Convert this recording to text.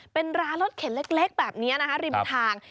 เป็นร้านรถเข็นเล็กแบบนี้นะคะริมทาง